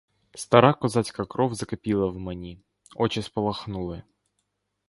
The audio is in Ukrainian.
Стара козацька кров закипіла в мені, очі спалахнули.